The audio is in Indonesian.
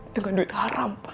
dengan duit haram pak